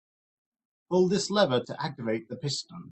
Pull this lever to activate the piston.